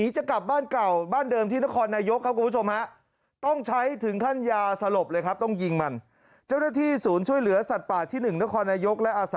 เจ้าของใหม่ซื้อไปทีภาพจีนแล้ว